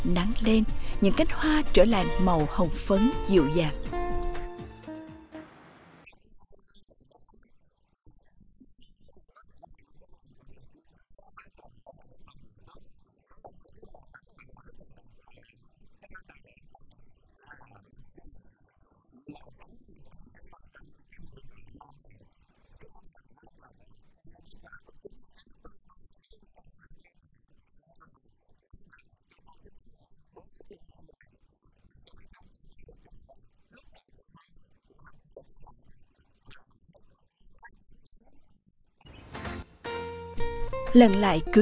nắng lên những cánh hoa trở lại màu hồng phấn dịu dàng